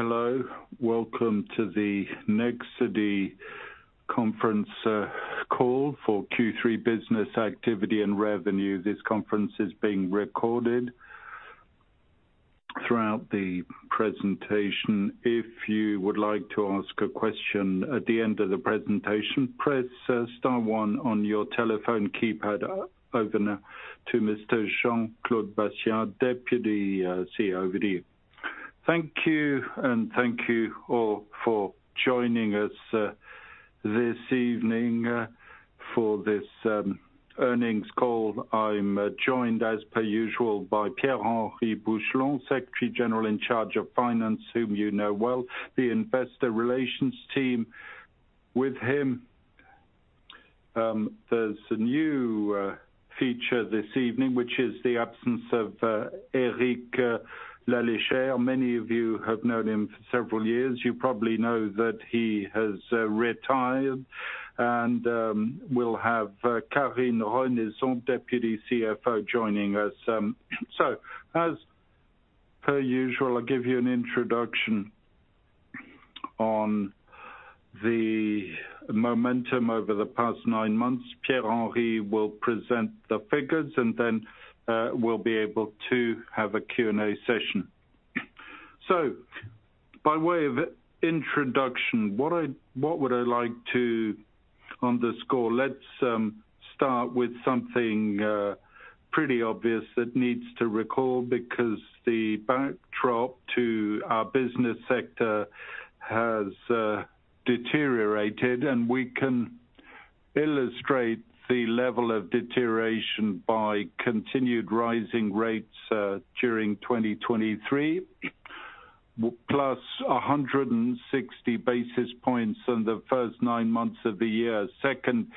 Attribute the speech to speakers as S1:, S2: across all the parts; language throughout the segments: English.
S1: Hello, welcome to the Nexity conference call for Q3 business activity and revenue. This conference is being recorded. Throughout the presentation, if you would like to ask a question at the end of the presentation, press star one on your telephone keypad. Over now to Mr. Jean-Claude Bassien, Deputy CEO of Nexity.
S2: Thank you, and thank you all for joining us this evening for this earnings call. I'm joined, as per usual, by Pierre-Henry Pouchelon, Secretary General in charge of Finance, whom you know well, the investor relations team. With him, there's a new feature this evening, which is the absence of Eric Lalechère. Many of you have known him for several years. You probably know that he has retired, and we'll have Karine Renouil, deputy CFO, joining us. So as per usual, I'll give you an introduction on the momentum over the past nine months. Pierre-Henry will present the figures, and then, we'll be able to have a Q&A session. So by way of introduction, what would I like to underscore? Let's start with something pretty obvious that needs to recall, because the backdrop to our business sector has deteriorated, and we can illustrate the level of deterioration by continued rising rates during 2023, +160 basis points in the first nine months of the year. Second,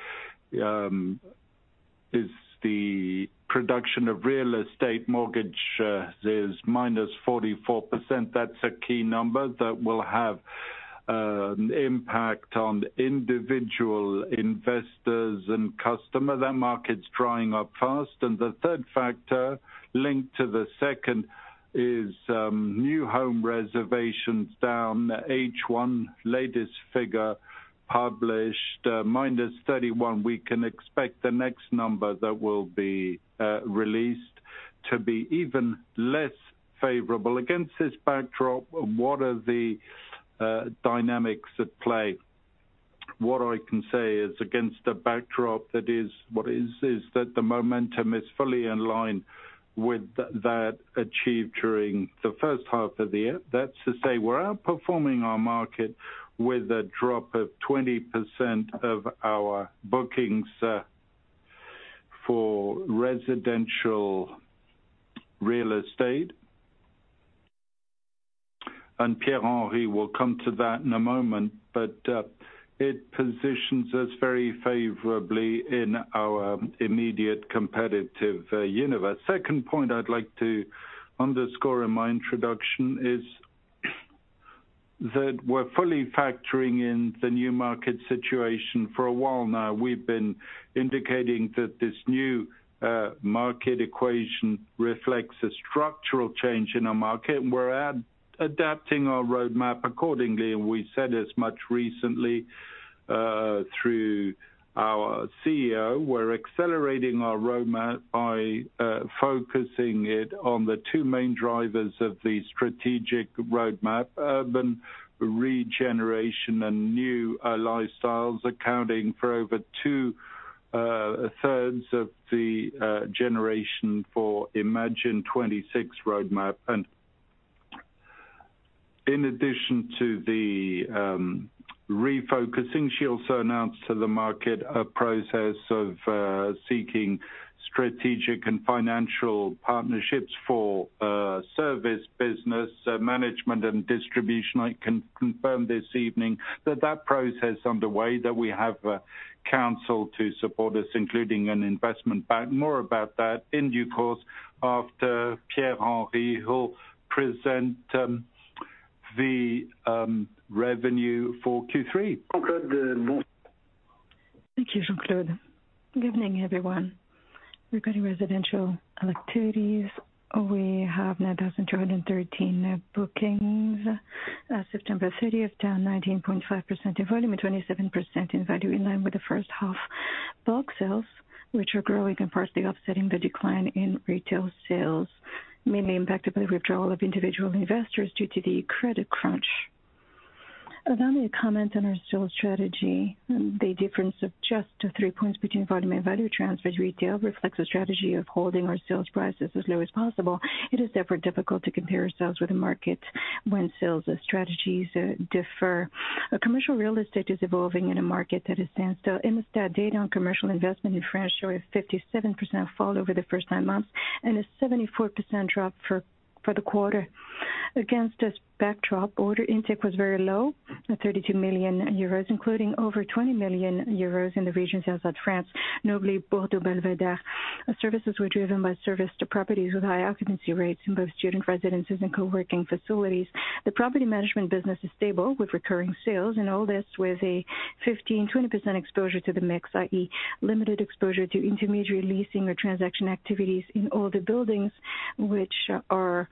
S2: is the production of real estate mortgage. There's -44%. That's a key number that will have an impact on individual investors and customer. That market's drying up fast. And the third factor linked to the second is new home reservations down. H1, latest figure published, -31. We can expect the next number that will be released to be even less favorable. Against this backdrop, what are the dynamics at play? What I can say is against the backdrop, that is, what is, is that the momentum is fully in line with that achieved during the first half of the year. That's to say, we're outperforming our market with a drop of 20% of our bookings for residential real estate. And Pierre-Henry will come to that in a moment, but it positions us very favorably in our immediate competitive universe. Second point I'd like to underscore in my introduction is that we're fully factoring in the new market situation. For a while now, we've been indicating that this new market equation reflects a structural change in our market, and we're adapting our roadmap accordingly, and we said as much recently through our CEO. We're accelerating our roadmap by focusing it on the two main drivers of the strategic roadmap, urban regeneration and new lifestyles, accounting for over two-thirds of the generation for Imagine 2026 roadmap. In addition to the refocusing, she also announced to the market a process of seeking strategic and financial partnerships for service business management and distribution. I can confirm this evening that that process is underway, that we have counsel to support us, including an investment bank. More about that in due course after Pierre-Henry, who'll present the revenue for Q3.
S3: Thank you, Jean-Claude. Good evening, everyone. Regarding residential activities, we have 9,213 bookings. September 30 is down 19.5% in volume and 27% in value, in line with the first half. Bulk sales, which are growing and partially offsetting the decline in retail sales, mainly impacted by the withdrawal of individual investors due to the credit crunch. Allow me to comment on our sales strategy. The difference of just to three points between volume and value transfer to retail reflects a strategy of holding our sales prices as low as possible. It is therefore difficult to compare ourselves with the market when sales strategies differ. A commercial real estate is evolving in a market that is standstill. In the latest data on commercial investment in France show a 57% fall over the first nine months and a 74% drop for the quarter. Against this backdrop, order intake was very low, at 32 million euros, including over 20 million euros in the region of South France, notably Bordeaux Belvédère. Services were driven by service to properties with high occupancy rates in both student residences and co-working facilities. The property management business is stable, with recurring sales, and all this with a 15%-20% exposure to the mix, i.e., limited exposure to intermediary leasing or transaction activities in all the buildings which are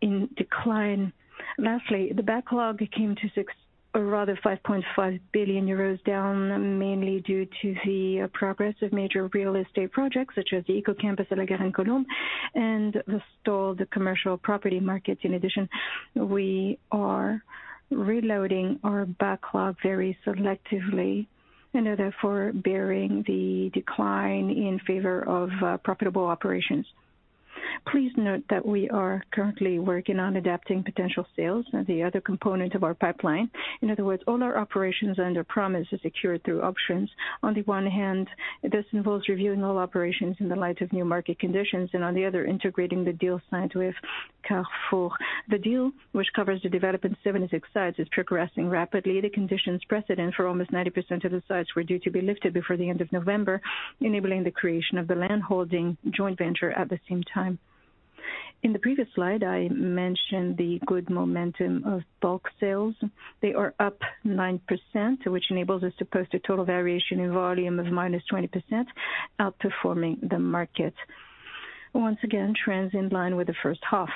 S3: in decline. Lastly, the backlog came to six, or rather 5.5 billion euros, down mainly due to the progress of major real estate projects such as the EcoCampus de la Garenne-Colombes and the stalled commercial property markets. In addition, we are reloading our backlog very selectively and are therefore bearing the decline in favor of profitable operations. Please note that we are currently working on adapting potential sales and the other component of our pipeline. In other words, all our operations under promise are secured through options. On the one hand, this involves reviewing all operations in the light of new market conditions, and on the other, integrating the deal signed with Carrefour. The deal, which covers the development of 76 sites, is progressing rapidly. The conditions precedent for almost 90% of the sites were due to be lifted before the end of November, enabling the creation of the landholding joint venture at the same time. In the previous slide, I mentioned the good momentum of bulk sales. They are up 9%, which enables us to post a total variation in volume of -20%, outperforming the market. Once again, trends in line with the first half.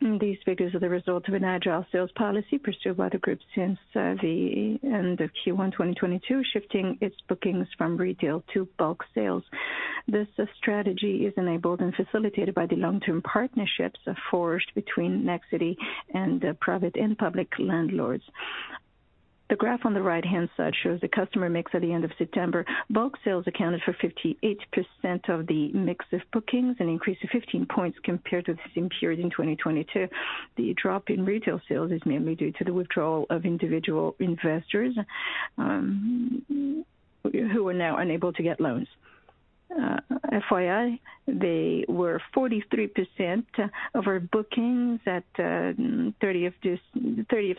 S3: These figures are the result of an agile sales policy pursued by the group since the end of Q1 2022, shifting its bookings from retail to bulk sales. This strategy is enabled and facilitated by the long-term partnerships forged between Nexity and private and public landlords. The graph on the right-hand side shows the customer mix at the end of September. Bulk sales accounted for 58% of the mix of bookings, an increase of 15 points compared to the same period in 2022. The drop in retail sales is mainly due to the withdrawal of individual investors who are now unable to get loans. FYI, they were 43% of our bookings at 30th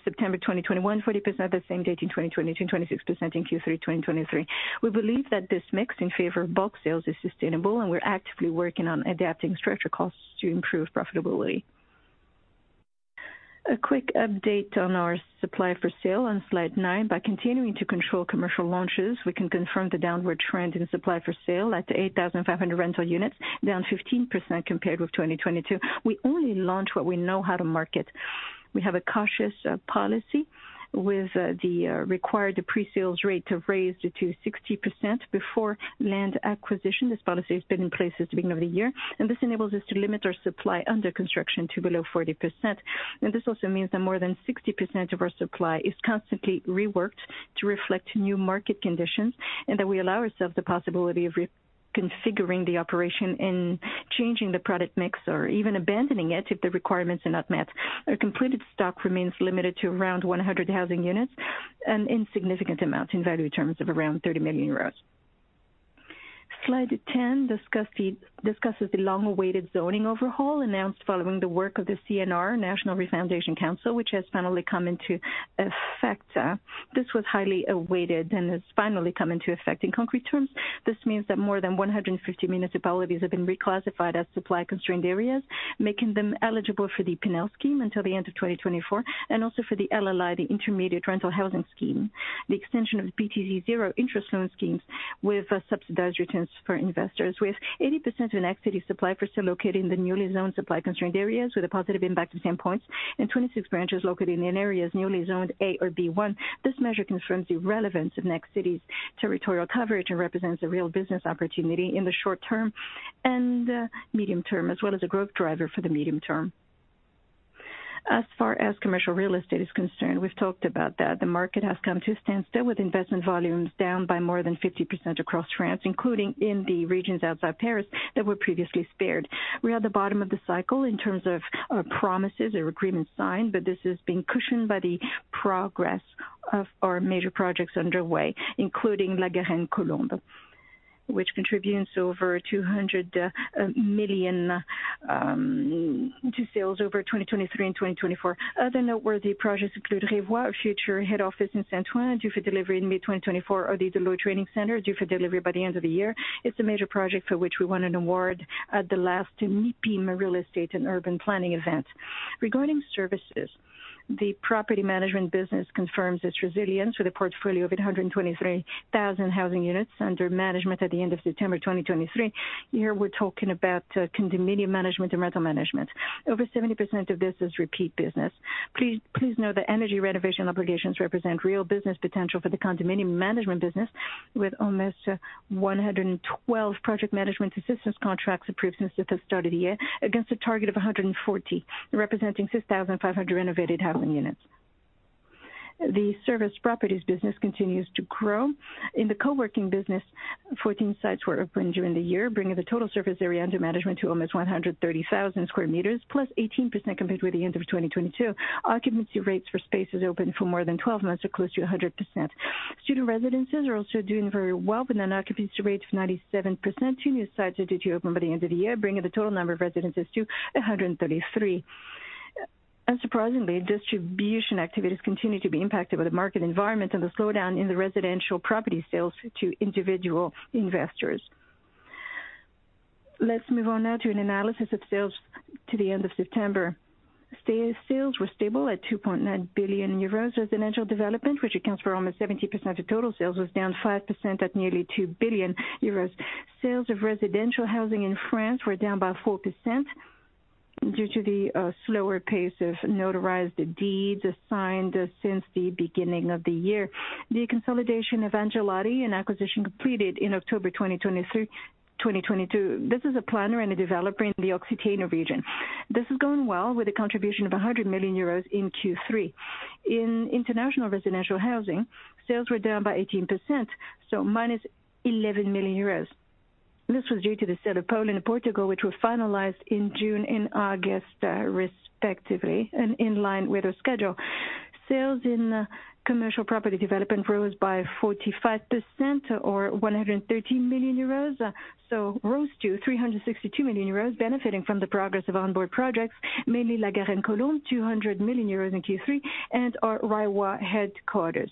S3: September 2021, 40% at the same date in 2022, and 26% in Q3 2023. We believe that this mix in favor of bulk sales is sustainable, and we're actively working on adapting structure costs to improve profitability. A quick update on our supply for sale on slide nine. By continuing to control commercial launches, we can confirm the downward trend in supply for sale at 8,500 rental units, down 15% compared with 2022. We only launch what we know how to market. We have a cautious policy with the required pre-sales rate to raise it to 60% before land acquisition. This policy has been in place since the beginning of the year, and this enables us to limit our supply under construction to below 40%. And this also means that more than 60% of our supply is constantly reworked to reflect new market conditions, and that we allow ourselves the possibility of reconfiguring the operation and changing the product mix or even abandoning it if the requirements are not met. Our completed stock remains limited to around 100 housing units and insignificant amounts in value terms of around 30 million euros. Slide 10 discusses the long-awaited zoning overhaul announced following the work of the CNR, National Refoundation Council, which has finally come into effect. This was highly awaited and has finally come into effect. In concrete terms, this means that more than 150 municipalities have been reclassified as supply-constrained areas, making them eligible for the Pinel scheme until the end of 2024, and also for the LLI, the Intermediate Rental Housing scheme, the extension of PTZ zero interest loan schemes with subsidized returns for investors. With 80% of Nexity supply for sale located in the newly zoned supply-constrained areas, with a positive impact of 10 points and 26 branches located in areas newly zoned A or B1. This measure confirms the relevance of Nexity's territorial coverage and represents a real business opportunity in the short term and, medium term, as well as a growth driver for the medium term. As far as commercial real estate is concerned, we've talked about that. The market has come to a standstill, with investment volumes down by more than 50% across France, including in the regions outside Paris that were previously spared. We are at the bottom of the cycle in terms of promises or agreements signed, but this is being cushioned by the progress of our major projects underway, including La Garenne-Colombes, which contributes over 200 million to sales over 2023 and 2024. Other noteworthy projects include Reiwa, future head office in Saint-Ouen, due for delivery in May 2024, or the Deloitte Training Center, due for delivery by the end of the year. It's a major project for which we won an award at the last MIPIM Real Estate and Urban Planning event. Regarding services, the property management business confirms its resilience with a portfolio of 823,000 housing units under management at the end of September 2023. Here, we're talking about, condominium management and rental management. Over 70% of this is repeat business. Please, please note that energy renovation obligations represent real business potential for the condominium management business, with almost 112 project management assistance contracts approved since the start of the year, against a target of 140, representing 6,500 renovated housing units. The service properties business continues to grow. In the co-working business, 14 sites were opened during the year, bringing the total surface area under management to almost 130,000 sq m, plus 18% compared with the end of 2022. Occupancy rates for spaces open for more than 12 months are close to 100%. Student residences are also doing very well, with an occupancy rate of 97%. Two new sites are due to open by the end of the year, bringing the total number of residences to 133. Unsurprisingly, distribution activities continue to be impacted by the market environment and the slowdown in the residential property sales to individual investors. Let's move on now to an analysis of sales to the end of September. Sales were stable at 2.9 billion euros. Residential development, which accounts for almost 70% of total sales, was down 5% at nearly 2 billion euros. Sales of residential housing in France were down by 4% due to the slower pace of notarized deeds signed since the beginning of the year. The consolidation of Angelotti and acquisition completed in October 2023, 2022. This is a planner and a developer in the Occitanie region. This is going well with a contribution of 100 million euros in Q3. In international residential housing, sales were down by 18%, so -11 million euros. This was due to the sale of Poland and Portugal, which were finalized in June and August, respectively, and in line with the schedule. Sales in commercial property development rose by 45% or 113 million euros, so rose to 362 million euros, benefiting from the progress of onboard projects, mainly La Garenne-Colombes, 200 million euros in Q3, and our Revoir headquarters.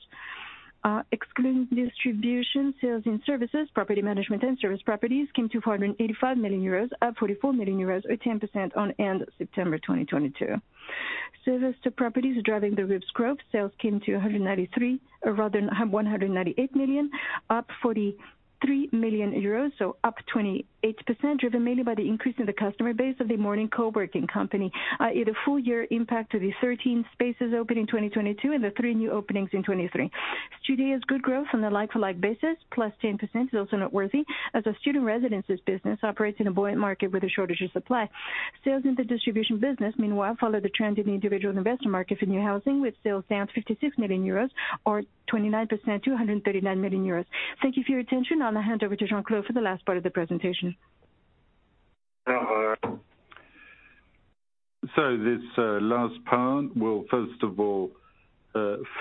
S3: Excluding distribution, sales and services, property management and service properties came to 485 million euros, up 44 million euros, or 10% on end-September 2022. Services to properties driving the group's growth, sales came to 193, or rather, 198 million, up 43 million euros, so up 28%, driven mainly by the increase in the customer base of the Morning Coworking company. The full-year impact of the 13 spaces opening in 2022 and the three new openings in 2023. Studéa's good growth on the like-for-like basis, plus 10%, is also noteworthy, as our student residences business operates in a buoyant market with a shortage of supply. Sales in the distribution business, meanwhile, follow the trend in the individual investor market for new housing, with sales down 56 million euros or 29% to 139 million euros. Thank you for your attention. I'll now hand over to Jean-Claude for the last part of the presentation.
S2: So this last part will first of all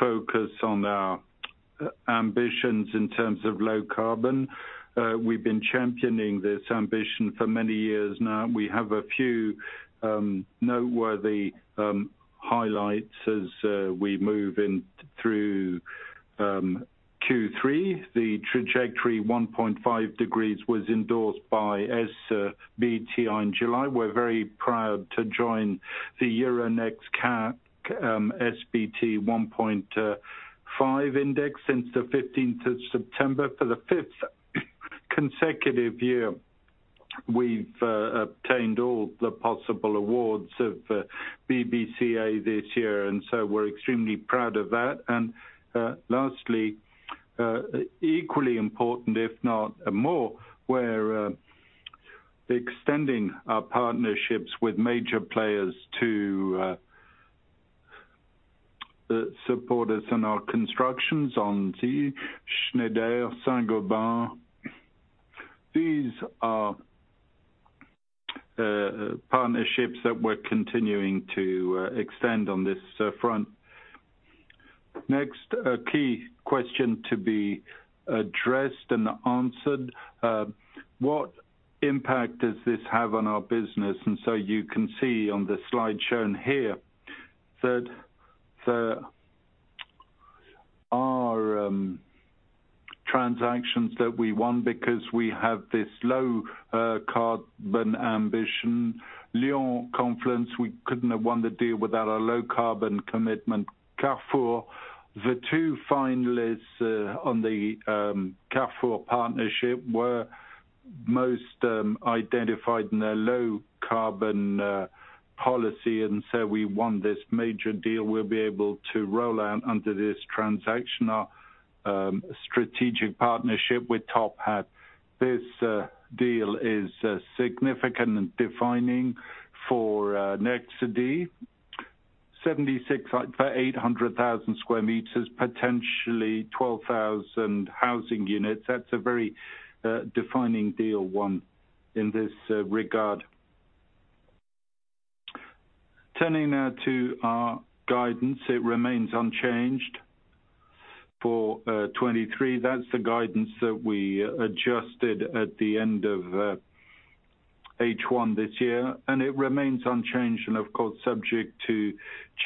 S2: focus on our ambitions in terms of low carbon. We've been championing this ambition for many years now. We have a few noteworthy highlights as we move in through Q3. The trajectory 1.5 degrees was endorsed by SBTi in July. We're very proud to join the Euronext CAC SBT 1.5 index since the fifteenth of September. For the fifth consecutive year, we've obtained all the possible awards of BBCA this year, and so we're extremely proud of that. Lastly, equally important, if not more, we're extending our partnerships with major players to support us in our constructions on the Schneider, Saint-Gobain. These are partnerships that we're continuing to extend on this front. Next, a key question to be addressed and answered: what impact does this have on our business? And so you can see on the slide shown here that our transactions that we won because we have this low carbon ambition. Lyon Confluence, we couldn't have won the deal without our low carbon commitment. Carrefour, the two finalists on the Carrefour partnership were most identified in their low carbon policy, and so we won this major deal. We'll be able to roll out under this transaction our strategic partnership with TopHat. This deal is significant and defining for Nexity. 768,000 square meters, potentially 12,000 housing units. That's a very defining deal, one in this regard. Turning now to our guidance, it remains unchanged for 2023. That's the guidance that we adjusted at the end of H1 this year, and it remains unchanged and of course, subject to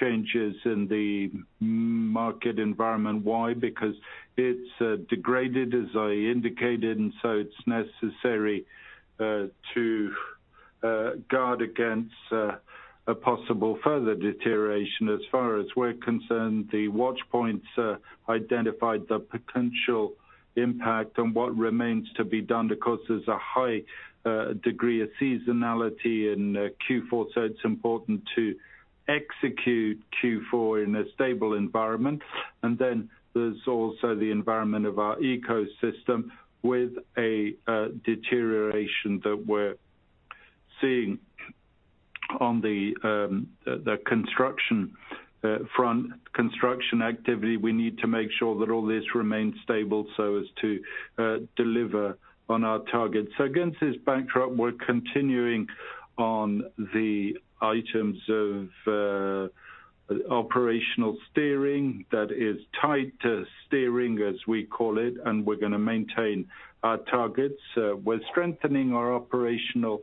S2: changes in the market environment. Why? Because it's degraded, as I indicated, and so it's necessary to guard against a possible further deterioration. As far as we're concerned, the watch points identified the potential impact on what remains to be done, because there's a high degree of seasonality in Q4, so it's important to execute Q4 in a stable environment. And then there's also the environment of our ecosystem with a deterioration that we're seeing on the construction front, construction activity. We need to make sure that all this remains stable so as to deliver on our targets. Against this backdrop, we're continuing on the items of operational steering that is tied to steering, as we call it, and we're going to maintain our targets. We're strengthening our operational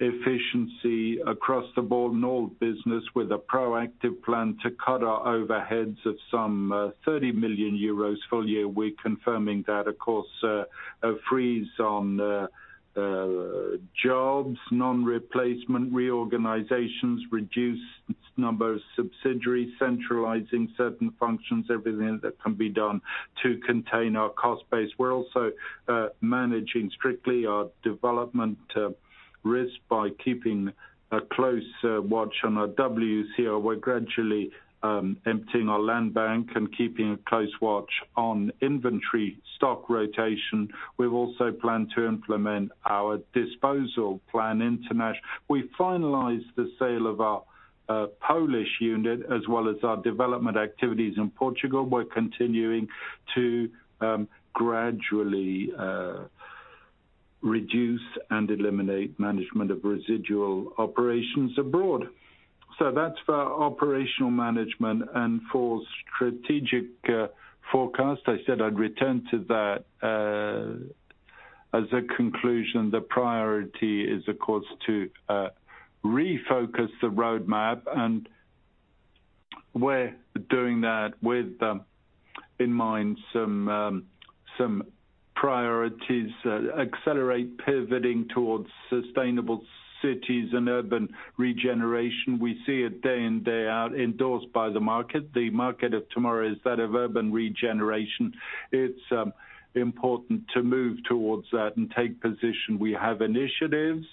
S2: efficiency across the board in all business, with a proactive plan to cut our overheads of some 30 million euros full year. We're confirming that, of course, a freeze on jobs, non-replacement, reorganizations, reduced number of subsidiaries, centralizing certain functions, everything that can be done to contain our cost base. We're also managing strictly our development risk by keeping a close watch on our WCR. We're gradually emptying our land bank and keeping a close watch on inventory, stock rotation. We've also planned to implement our disposal plan international. We finalized the sale of our Polish unit, as well as our development activities in Portugal. We're continuing to gradually reduce and eliminate management of residual operations abroad. So that's for operational management and for strategic forecast. I said I'd return to that as a conclusion. The priority is, of course, to refocus the roadmap, and we're doing that with in mind some priorities, accelerate pivoting towards sustainable cities and urban regeneration. We see it day in, day out, endorsed by the market. The market of tomorrow is that of urban regeneration. It's important to move towards that and take position. We have initiatives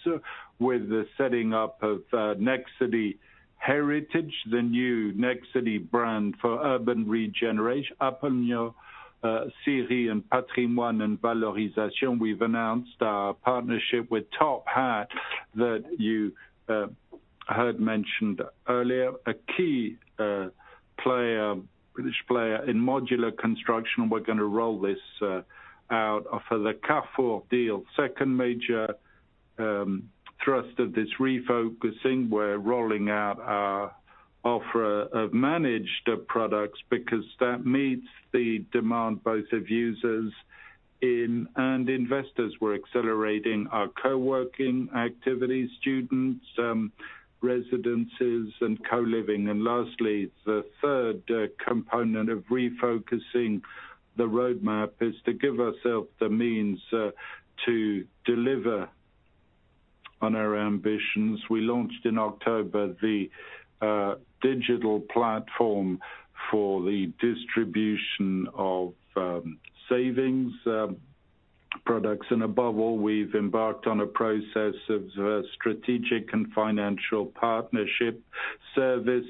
S2: with the setting up of Nexity Heritage, the new Nexity brand for urban regeneration, Apprent Siri and Patrimoine and Valorisation. We've announced our partnership with TopHat that you heard mentioned earlier, a key player, British player in modular construction. We're gonna roll this out for the Carrefour deal. Second major thrust of this refocusing, we're rolling out our offer of managed products because that meets the demand, both of users in and investors. We're accelerating our co-working activities, students residences, and co-living. And lastly, the third component of refocusing the roadmap is to give ourselves the means to deliver on our ambitions. We launched in October the digital platform for the distribution of savings products. And above all, we've embarked on a process of strategic and financial partnership service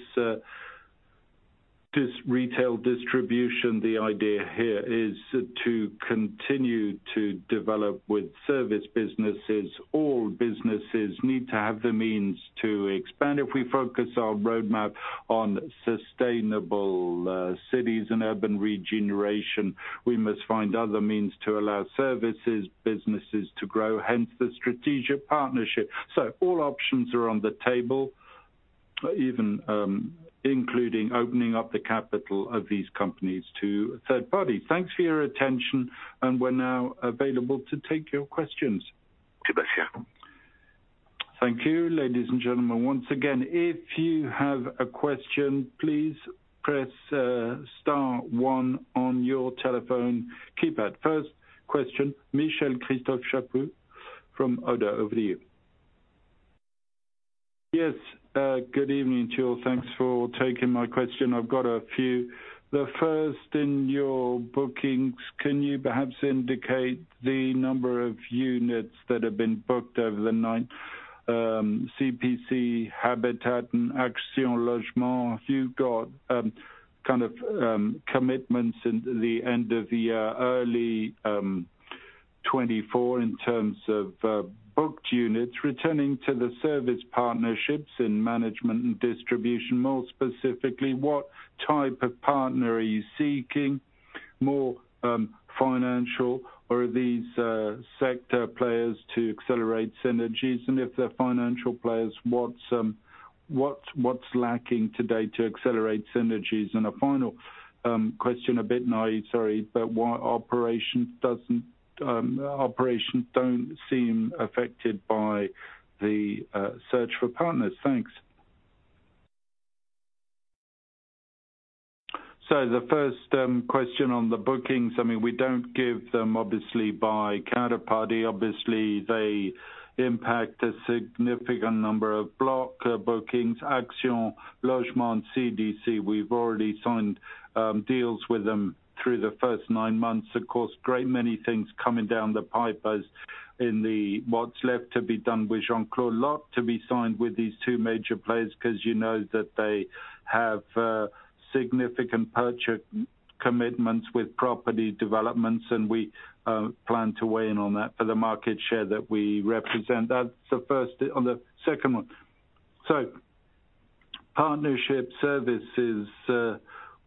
S2: this retail distribution. The idea here is to continue to develop with service businesses. All businesses need to have the means to expand. If we focus our roadmap on sustainable cities and urban regeneration, we must find other means to allow services businesses to grow, hence the strategic partnership. So all options are on the table, even, including opening up the capital of these companies to a third party. Thanks for your attention, and we're now available to take your questions.
S1: Thank you, ladies and gentlemen. Once again, if you have a question, please press, star one on your telephone keypad. First question, Christophe Chaput from ODDO, over to you.
S4: Yes, good evening to you all. Thanks for taking my question. I've got a few. The first, in your bookings, can you perhaps indicate the number of units that have been booked over the nine, CDC Habitat and Action Logement? You've got, kind of, commitments in the end of the year, early, 2024 in terms of, booked units. Returning to the service partnerships in management and distribution, more specifically, what type of partner are you seeking? More, financial, or are these, sector players to accelerate synergies? And if they're financial players, what's lacking today to accelerate synergies? And a final question, a bit naive, sorry, but why operations doesn't, operations don't seem affected by the search for partners? Thanks.
S2: So the first question on the bookings, I mean, we don't give them obviously by counterparty. Obviously, they impact a significant number of block bookings. Action Logement, CDC, we've already signed deals with them through the first nine months. Of course, great many things coming down the pipe as in the what's left to be done with Jean-Claude Lotte to be signed with these two major players, 'cause you know that they have significant purchase commitments with property developments, and we plan to weigh in on that for the market share that we represent. That's the first. On the second one, so partnership services,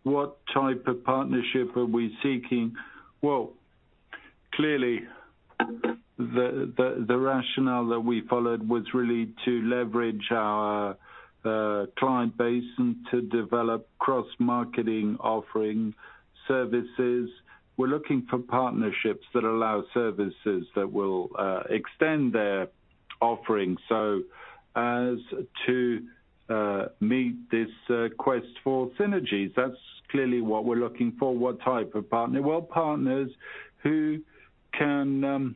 S2: what type of partnership are we seeking? Well, clearly, the rationale that we followed was really to leverage our client base and to develop cross-marketing, offering services. We're looking for partnerships that allow services that will extend their offering. So as to meet this quest for synergies, that's clearly what we're looking for. What type of partner? Well, partners who can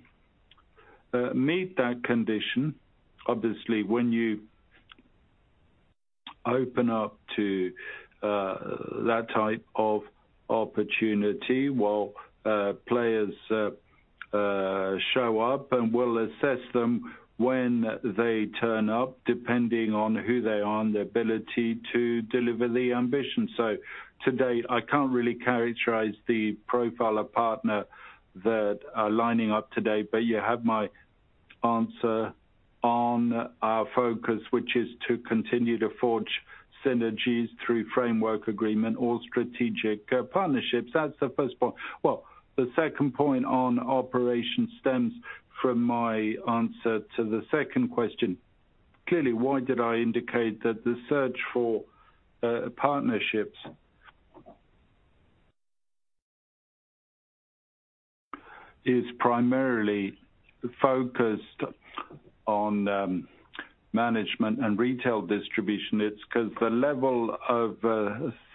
S2: meet that condition. Obviously, when you open up to that type of opportunity, well, players show up, and we'll assess them when they turn up, depending on who they are and their ability to deliver the ambition. To date, I can't really characterize the profile of partner that are lining up to date, but you have my answer on our focus, which is to continue to forge synergies through framework agreement or strategic partnerships. That's the first point. Well, the second point on operation stems from my answer to the second question. Clearly, why did I indicate that the search for partnerships is primarily focused on management and retail distribution? It's 'cause the level of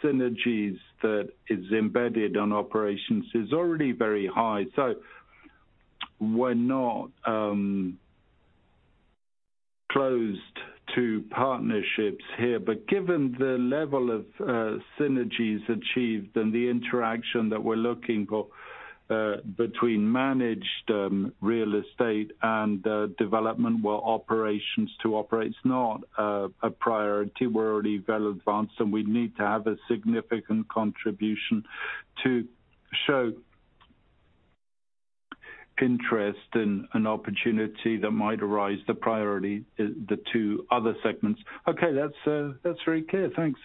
S2: synergies that is embedded on operations is already very high. So we're not closed to partnerships here. But given the level of synergies achieved and the interaction that we're looking for between managed real estate and development, well, operations to operate is not a priority. We're already well advanced, and we need to have a significant contribution to show interest in an opportunity that might arise. The priority is the two other segments.
S4: Okay, that's very clear.
S1: Thanks.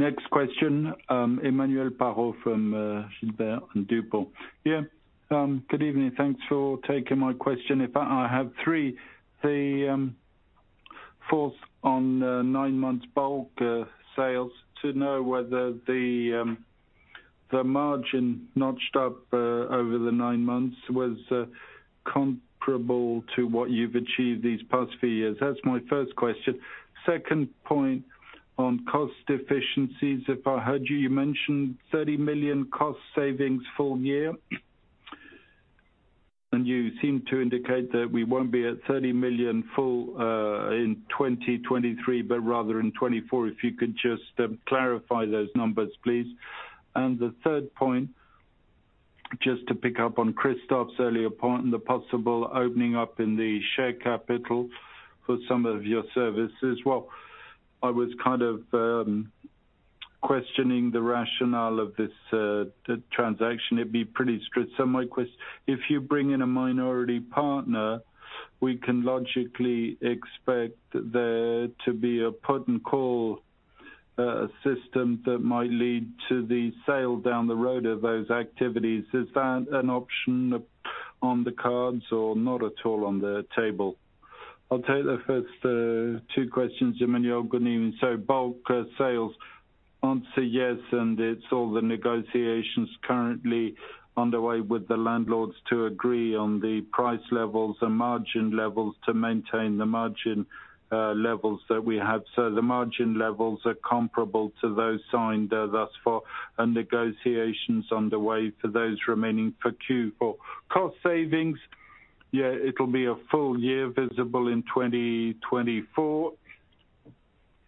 S1: Next question, Emmanuel Parot from Gilbert Dupont.
S5: Yeah, good evening. Thanks for taking my question. In fact, I have three. The first on nine months bulk sales, to know whether the margin notched up over the nine months was comparable to what you've achieved these past few years. That's my first question. Second point on cost efficiencies. If I heard you, you mentioned 30 million cost savings full year, and you seem to indicate that we won't be at 30 million full in 2023, but rather in 2024. If you could just clarify those numbers, please. The third point, just to pick up on Christophe's earlier point, the possible opening up in the share capital for some of your services. Well, I was kind of questioning the rationale of this transaction. It'd be pretty strict. So my question—if you bring in a minority partner, we can logically expect there to be a put and call system that might lead to the sale down the road of those activities. Is that an option on the cards or not at all on the table? I'll take the first two questions, Emmanuel. Good evening. So bulk sales, answer yes, and it's all the negotiations currently underway with the landlords to agree on the price levels and margin levels to maintain the margin levels that we have. So the margin levels are comparable to those signed, thus far, and negotiations underway for those remaining for Q4. Cost savings, yeah, it'll be a full year visible in 2024,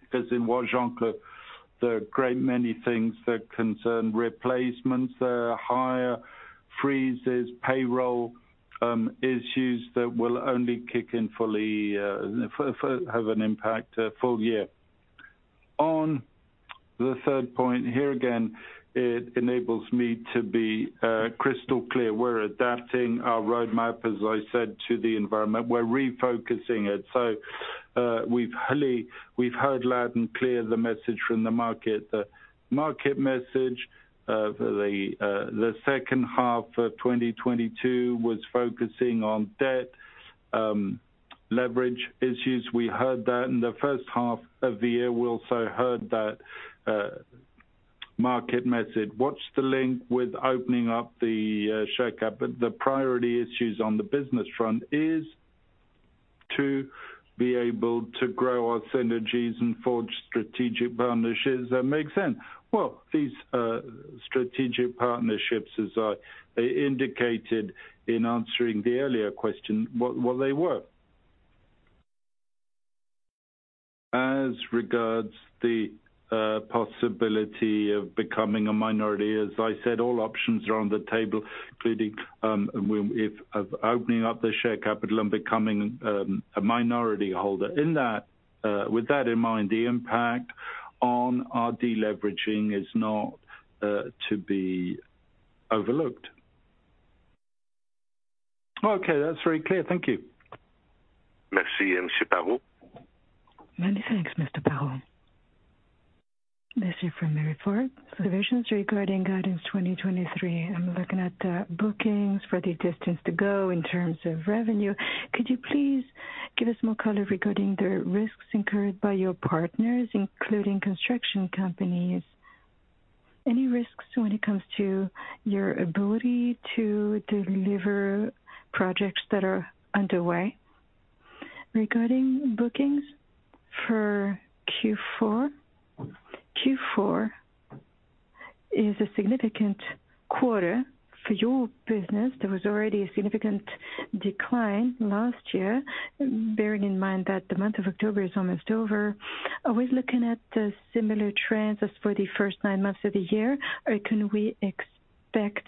S5: because in Wajanka, there are a great many things that concern replacements. There are higher freezes, payroll, issues that will only kick in fully, have an impact, full year. On the third point, here again, it enables me to be, crystal clear. We're adapting our roadmap, as I said, to the environment. We're refocusing it. So, we've really we've heard loud and clear the message from the market. The market message, for the, the second half of 2022 was focusing on debt, leverage issues. We heard that. In the first half of the year, we also heard that, market message.
S2: What's the link with opening up the share capital? The priority issues on the business front is to be able to grow our synergies and forge strategic partnerships. That makes sense. Well, these strategic partnerships, as I indicated in answering the earlier question, well, they work. As regards the possibility of becoming a minority, as I said, all options are on the table, including of opening up the share capital and becoming a minority holder. In that, with that in mind, the impact on our deleveraging is not to be overlooked.
S5: Okay, that's very clear. Thank you.
S2: Merci, Monsieur Parrot.
S6: Many thanks, Mr. Parot. This is from Mary Fort. Observations regarding guidance 2023. I'm looking at the bookings for the distance to go in terms of revenue. Could you please give us more color regarding the risks incurred by your partners, including construction companies? Any risks when it comes to your ability to deliver projects that are underway?... Regarding bookings for Q4. Q4 is a significant quarter for your business. There was already a significant decline last year, bearing in mind that the month of October is almost over. Are we looking at the similar trends as for the first nine months of the year, or can we expect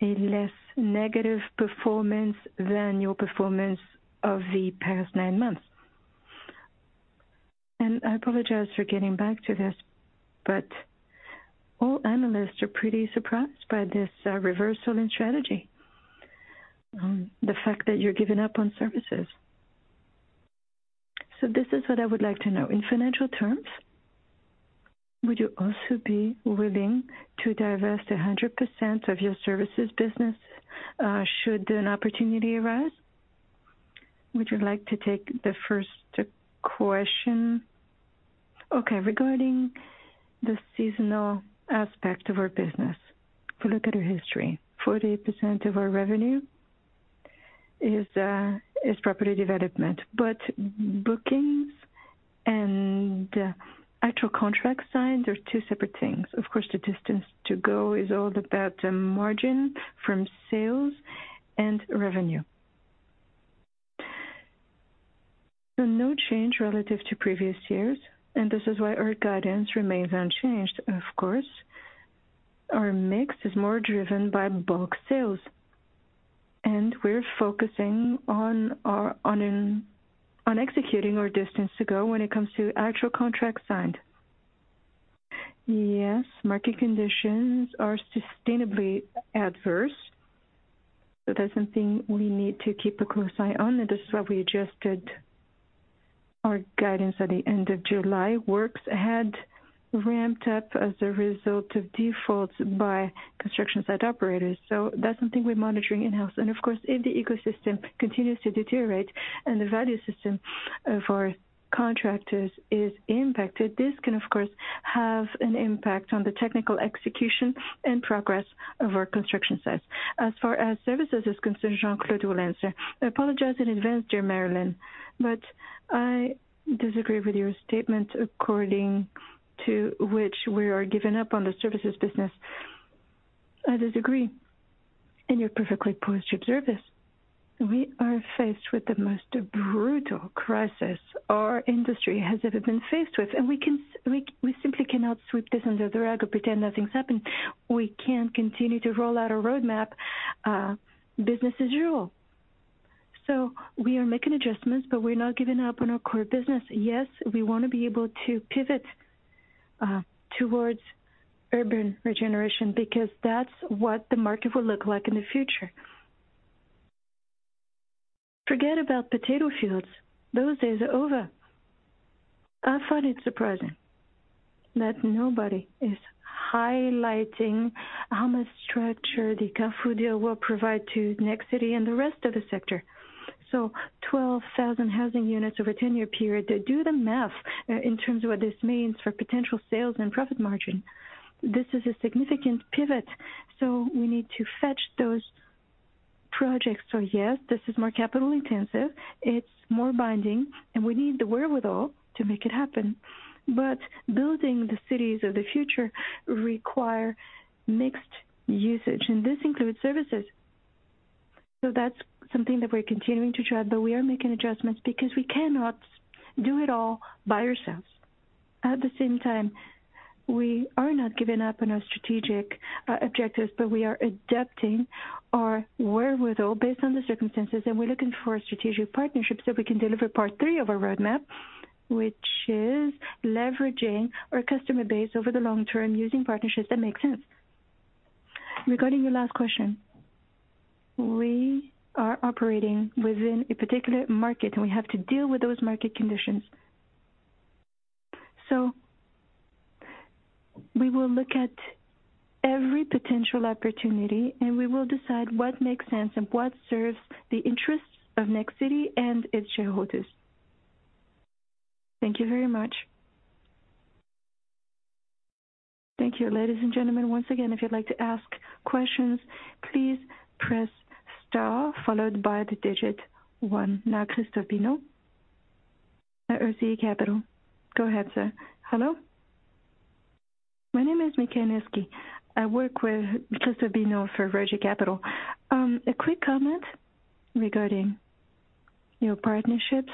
S6: a less negative performance than your performance of the past nine months? I apologize for getting back to this, but all analysts are pretty surprised by this reversal in strategy, the fact that you're giving up on services. So this is what I would like to know. In financial terms, would you also be willing to divest 100% of your services business, should an opportunity arise? Would you like to take the first question?
S3: Okay, regarding the seasonal aspect of our business, if you look at our history, 40% of our revenue is property development, but bookings and actual contracts signed are two separate things. Of course, the distance to go is all about the margin from sales and revenue. So no change relative to previous years, and this is why our guidance remains unchanged. Of course, our mix is more driven by bulk sales, and we're focusing on executing our distance to go when it comes to actual contracts signed. Yes, market conditions are sustainably adverse, so that's something we need to keep a close eye on, and this is why we adjusted our guidance at the end of July. Works had ramped up as a result of defaults by construction site operators, so that's something we're monitoring in-house. And of course, if the ecosystem continues to deteriorate and the value system of our contractors is impacted, this can, of course, have an impact on the technical execution and progress of our construction sites. As far as services is concerned, Jean-Claude will answer. I apologize in advance, dear Marilyn, but I disagree with your statement according to which we are giving up on the services business. I disagree, and you're perfectly poised to observe this. We are faced with the most brutal crisis our industry has ever been faced with, and we simply cannot sweep this under the rug or pretend nothing's happened. We can't continue to roll out a roadmap, business as usual. So we are making adjustments, but we're not giving up on our core business. Yes, we want to be able to pivot towards urban regeneration, because that's what the market will look like in the future. Forget about potato fields. Those days are over. I find it surprising that nobody is highlighting how much structure the Carrefour deal will provide to Nexity and the rest of the sector. So 12,000 housing units over a 10-year period, do the math, in terms of what this means for potential sales and profit margin. This is a significant pivot, so we need to fetch those projects. So yes, this is more capital intensive, it's more binding, and we need the wherewithal to make it happen. But building the cities of the future require mixed usage, and this includes services. So that's something that we're continuing to track, but we are making adjustments because we cannot do it all by ourselves. At the same time, we are not giving up on our strategic objectives, but we are adapting our wherewithal based on the circumstances, and we're looking for strategic partnerships that we can deliver part three of our roadmap, which is leveraging our customer base over the long term using partnerships that make sense. Regarding your last question, we are operating within a particular market, and we have to deal with those market conditions. So we will look at every potential opportunity, and we will decide what makes sense and what serves the interests of Nexity and its shareholders.
S6: Thank you very much.
S1: Thank you. Ladies and gentlemen, once again, if you'd like to ask questions, please press star followed by the digit one. Now, Christophe Bineau at RG Capital. Go ahead, sir.
S7: Hello? My name is Mike Janeski. I work with Christophe Bineau for RG Capital. A quick comment regarding your partnerships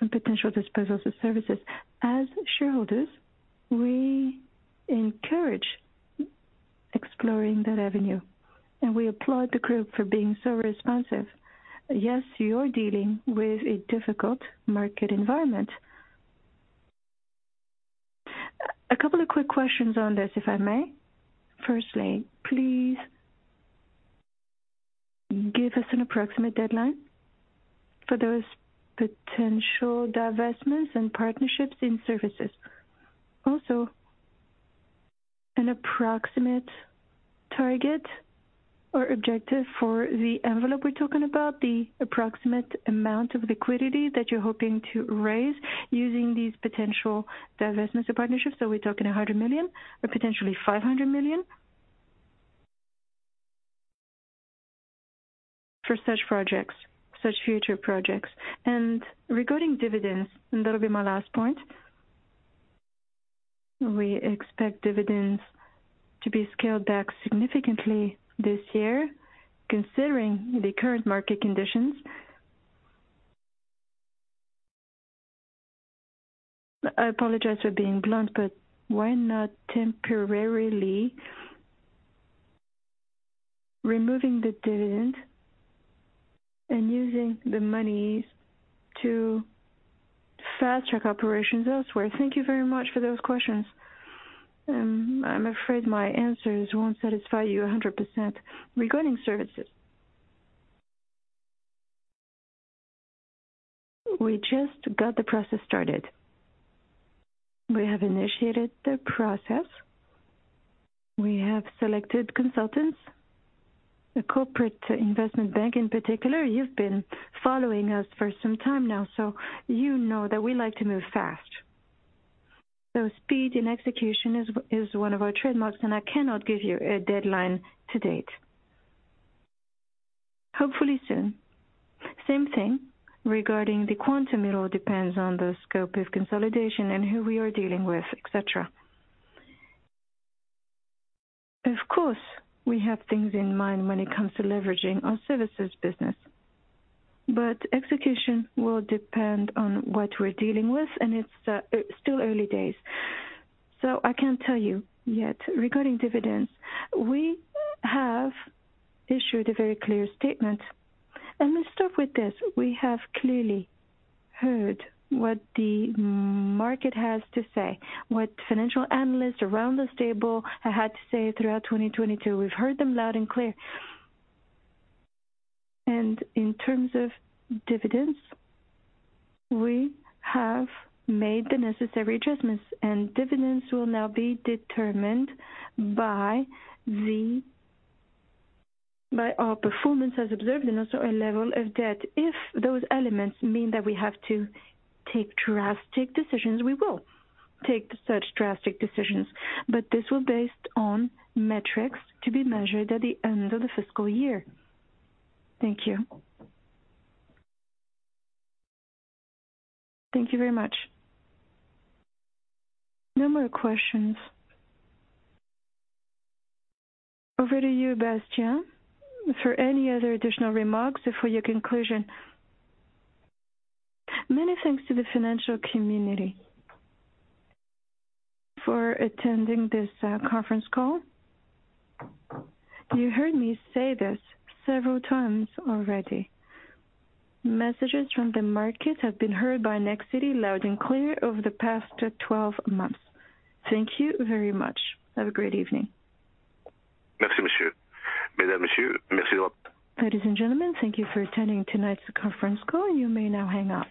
S7: and potential disposals of services. As shareholders, we encourage exploring that avenue, and we applaud the group for being so responsive. Yes, you're dealing with a difficult market environment. A couple of quick questions on this, if I may. Firstly, please give us an approximate deadline for those potential divestments and partnerships in services. Also, an approximate target or objective for the envelope we're talking about, the approximate amount of liquidity that you're hoping to raise using these potential divestments or partnerships. Are we talking 100 million or potentially 500 million? For such projects, such future projects. Regarding dividends, that'll be my last point. We expect dividends to be scaled back significantly this year, considering the current market conditions. I apologize for being blunt, but why not temporarily removing the dividend and using the money to fast-track operations elsewhere?
S3: Thank you very much for those questions. I'm afraid my answers won't satisfy you 100%. Regarding services, we just got the process started. We have initiated the process. We have selected consultants, a corporate investment bank in particular. You've been following us for some time now, so you know that we like to move fast. So speed and execution is one of our trademarks, and I cannot give you a deadline to date. Hopefully soon. Same thing regarding the quantum. It all depends on the scope of consolidation and who we are dealing with, et cetera. Of course, we have things in mind when it comes to leveraging our services business, but execution will depend on what we're dealing with, and it's still early days, so I can't tell you yet. Regarding dividends, we have issued a very clear statement, and let's start with this. We have clearly heard what the market has to say, what financial analysts around this table had to say throughout 2022. We've heard them loud and clear. In terms of dividends, we have made the necessary adjustments, and dividends will now be determined by our performance as observed and also our level of debt. If those elements mean that we have to take drastic decisions, we will take such drastic decisions, but this will be based on metrics to be measured at the end of the fiscal year.
S7: Thank you.
S2: Thank you very much.
S1: No more questions. Over to you, Bassien, for any other additional remarks or for your conclusion.
S3: Many thanks to the financial community for attending this, conference call. You heard me say this several times already. Messages from the market have been heard by Nexity loud and clear over the past 12 months. Thank you very much. Have a great evening.
S2: Merci, monsieur. Madame, monsieur, merci beaucoup.
S1: Ladies and gentlemen, thank you for attending tonight's conference call. You may now hang up.